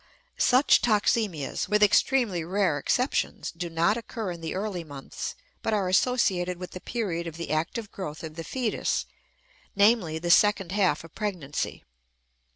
Such toxemias, with extremely rare exceptions, do not occur in the early months, but are associated with the period of the active growth of the fetus, namely, the second half of pregnancy.